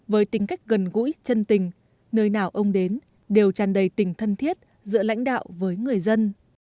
với tính cách gần gũi chân tình nơi nào ông đến đều tràn đầy tình thân thiết giữa lãnh đạo với người dân